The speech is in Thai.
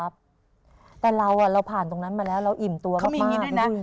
ปฏิเสธพี่น้องสวัสดีค่ะพี่น้อง